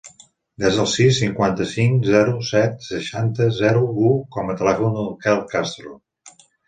Desa el sis, cinquanta-cinc, zero, set, seixanta, zero, u com a telèfon del Quel Castro.